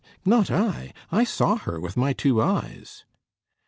"Not I. I saw her with my two eyes."